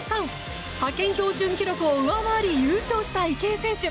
派遣標準記録を上回り優勝した池江選手。